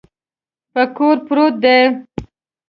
په کور پروت دی.